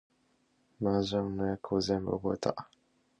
麻雀の役を全部覚えた